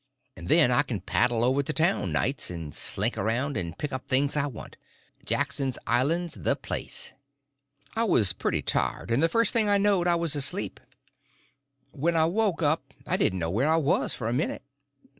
And then I can paddle over to town nights, and slink around and pick up things I want. Jackson's Island's the place. I was pretty tired, and the first thing I knowed I was asleep. When I woke up I didn't know where I was for a minute.